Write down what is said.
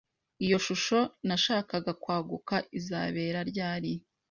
Iyo shusho nashakaga kwaguka izabera ryari?